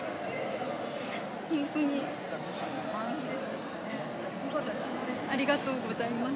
ホントにありがとうございます